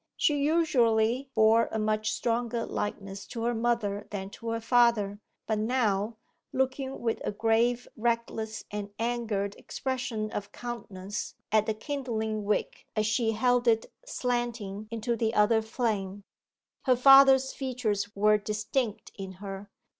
She usually bore a much stronger likeness to her mother than to her father, but now, looking with a grave, reckless, and angered expression of countenance at the kindling wick as she held it slanting into the other flame, her father's features were distinct in her.